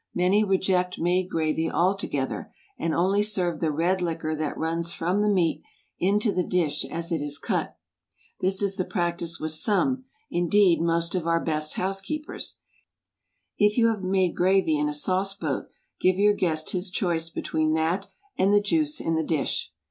Many reject made gravy altogether, and only serve the red liquor that runs from the meat into the dish as it is cut. This is the practice with some—indeed most of our best housekeepers. If you have made gravy in a sauce boat, give your guest his choice between that and the juice in the dish.